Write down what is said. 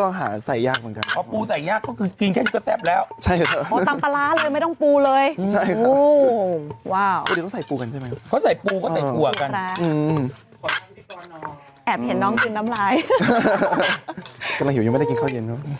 โอ้โฮครั้งแรกที่ผมตำออกอากาศเลยนะครับ